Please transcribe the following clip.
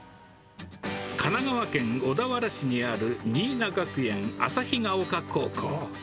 神奈川県小田原市にある、新名学園旭丘高校。